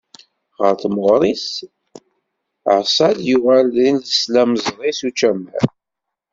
Ɣer temɣer-is, Ɛeṣṣad yuɣal d islamẓri s ucamar.